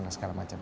dan segala macam